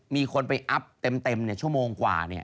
มีคนไปอัพเต็มชั่วโมงกว่า